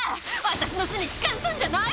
私の巣に近づくんじゃないわよ！